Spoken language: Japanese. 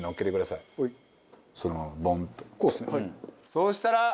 そうしたら。